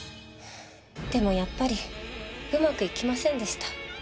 でもやっぱりうまくいきませんでした。